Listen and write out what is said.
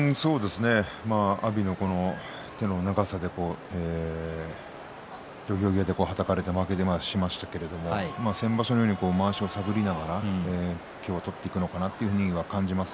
阿炎の手の長さで土俵際で、はたかれて負けはしましたけれど先場所のようにまわしを探りながら今日は取っていくんじゃないかなと思います。